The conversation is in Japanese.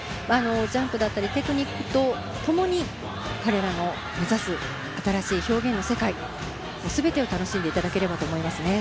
ジャンプだったりテクニックとともに彼らの目指す新しい表現の世界全てを楽しんでいただければと思いますね